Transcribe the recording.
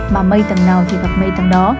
mà mây tầng nào thì mặc mây tầng đó